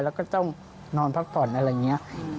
แล้วก็ต้องนอนพักผ่อนอะไรอย่างนี้